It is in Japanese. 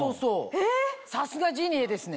さすがジニエですね。